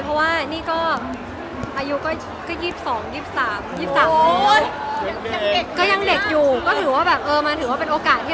ส่วนตัวโบโบเปิดรับคนที่เข้ามาในอดับนี้